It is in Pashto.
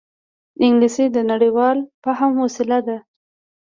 انګلیسي د نړيوال فهم وسیله ده